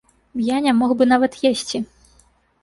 Я не мог бы нават есці.